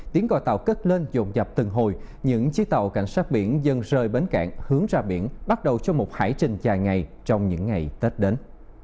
tiếng còi tàu cất lên dồn dập từng hồi những chiếc tàu cảnh sát biển dân rơi bến cạn hướng ra biển bắt đầu cho một hải trình dài ngày trong những ngày tết đến